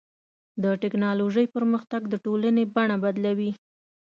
د ټکنالوجۍ پرمختګ د ټولنې بڼه بدلوي.